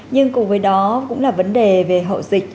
nhưng cùng với đó cũng là vấn đề về hậu dịch